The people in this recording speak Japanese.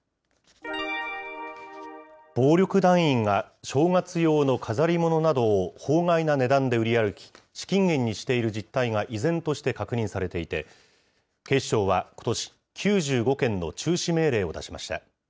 暴力団員が正月用の飾り物などを法外な値段で売り歩き、資金源にしている実態が依然として確認されていて、警視庁はことし、９５件の中止命令を出しました。